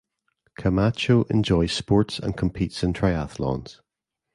Camacho enjoys sports and competes in triathlons.